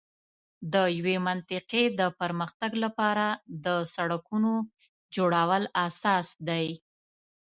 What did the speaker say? د یوې منطقې د پر مختګ لپاره د سړکونو جوړول اساس دی.